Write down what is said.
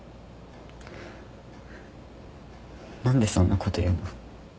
何でそんなこと言うの？